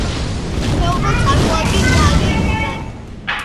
ხეობა წარმოადგენს გალისიის ერთ ერთ ღირსშესანიშნაობას.